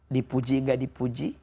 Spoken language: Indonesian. dipuji gak dipuji